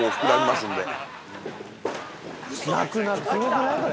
◆すごくない？